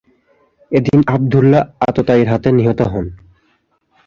এদিন আবদুল্লাহ আততায়ীর হাতে নিহত হন।